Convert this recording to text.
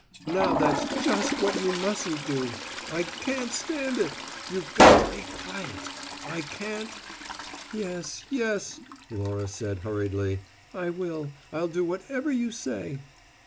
"Now that's just what you mustn't do. I can't stand it! You've got to be quiet. I can't " "Yes, yes," Laura said hurriedly. "I will. I'll do whatever you say."